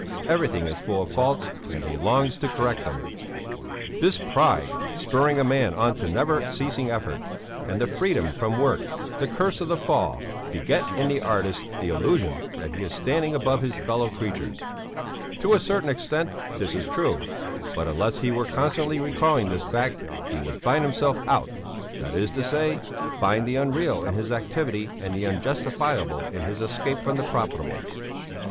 Everything is full of faults and he longs to correct them. "'This pride, spurring a man on to never ceasing effort, and the freedom from work the curse of the fall beget in the artist the illusion that he is standing above his fellow creatures; to a certain extent this is true, but unless he were constantly recalling this fact he would find himself out, that is to say find the unreal in his activity and the unjustifiable in his escape from the profitable.